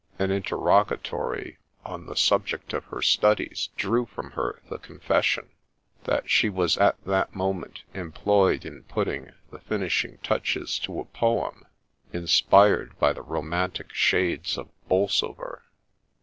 An interrogatory on the subject of her studies drew from her the confession that she was at that moment employed in putting the finishing touches to a poem inspired by the romantic shades of Bolsover.